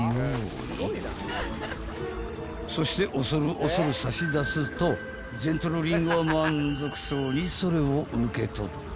［そして恐る恐る差し出すとジェントルリンゴは満足そうにそれを受け取った］